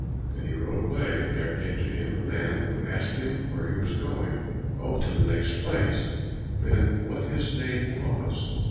Then he rode away, and there came to him a man who asked him where he was going. "Oh, to the next place." Then what his name was?